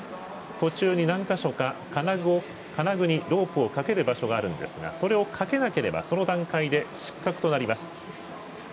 途中に何か所か金具にロープをかける場所があるんですがそれを掛けなければその段階で失格となります。